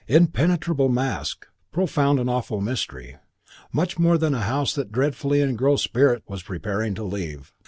Impenetrable mask! Profound and awful mystery. Much more than a house that dreadfully engrossed spirit was preparing to leave.